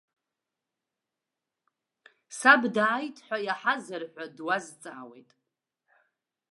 Саб дааит ҳәа иаҳазар ҳәа дуазҵаауеит.